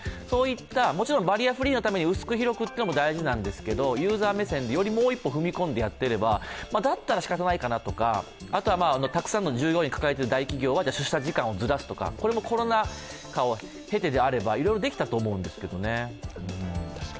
そういった、もちろんバリアフリーのために薄く広くというのは大事なんですけど、ユーザー目線でよりもう一歩踏み込んでやっていればだったらしかたないかなとか、あとはたくさんの従業員を抱えている会社は出社時間をずらすとか、コロナ禍を経てであればいろいろできたと思うんですけどね。